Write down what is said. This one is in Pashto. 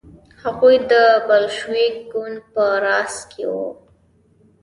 هغوی د بلشویک ګوند په راس کې وو.